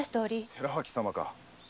寺脇様か。